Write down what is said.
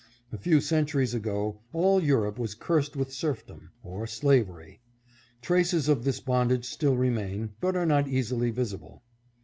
A few centuries ago, all Europe was cursed with serfdom, or slavery. Traces of this bondage still remain, but are not easily visible.